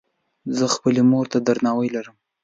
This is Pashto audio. زۀ خپلې مور ته درناوی لرم.